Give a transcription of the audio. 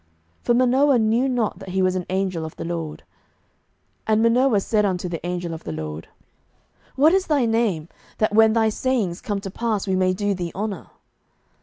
For Manoah knew not that he was an angel of the LORD. 07:013:017 And Manoah said unto the angel of the LORD, What is thy name, that when thy sayings come to pass we may do thee honour?